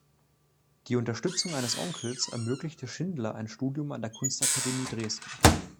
Die Unterstützung eines Onkels ermöglichte Schindler ein Studium an der Kunstakademie Dresden.